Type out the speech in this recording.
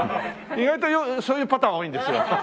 意外とそういうパターン多いんですよ。